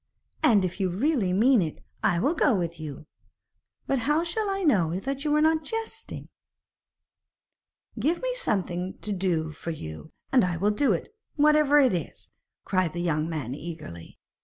'And, if you really mean it, I will go with you. But how shall I know that you are not jesting?' 'Give me something to do for you, and I will do it, whatever it is,' cried the young man eagerly.